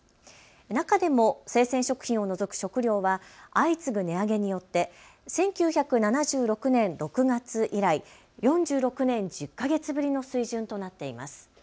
中でも生鮮食品を除く食料は相次ぐ値上げによって１９７６年６月以来、４６年１０か月ぶりの水準となっています。